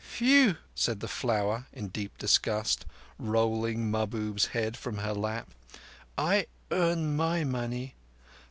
Phew!" said the Flower with deep disgust, rolling Mahbub's head from her lap. "I earn my money.